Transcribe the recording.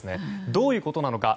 どういうことなのか。